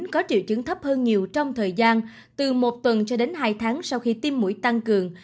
có triệu chứng thấp hơn nhiều trong thời gian từ một tuần cho đến hai tháng sau khi tiêm mũi tăng cường